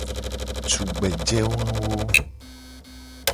Tugbeje wawo.